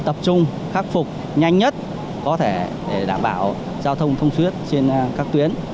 tập trung khắc phục nhanh nhất có thể để đảm bảo giao thông thông suốt trên các tuyến